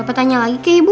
bapak tanya lagi ke ibu